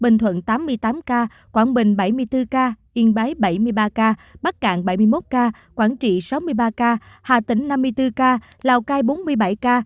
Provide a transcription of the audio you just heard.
bình thuận tám mươi tám ca quảng bình bảy mươi bốn ca yên bái bảy mươi ba ca bắc cạn bảy mươi một ca quảng trị sáu mươi ba ca hà tĩnh năm mươi bốn ca lào cai bốn mươi bảy ca